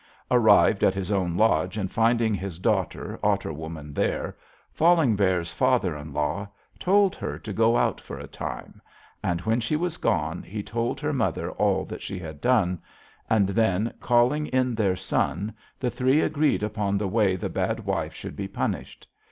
"Arrived in his own lodge, and finding his daughter, Otter Woman, there, Falling Bear's father in law told her to go out for a time; and when she was gone he told her mother all that she had done, and then, calling in their son, the three agreed upon the way the bad wife should be punished.